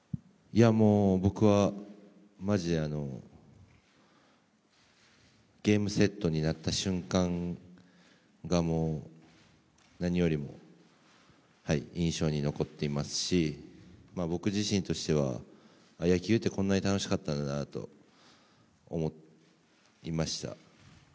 僕はマジで、ゲームセットになった瞬間がもう、何よりも印象に残っていますし僕自身としては、野球ってこんなに楽しかったんだなと思いました。